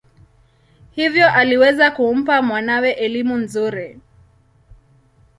Hivyo aliweza kumpa mwanawe elimu nzuri.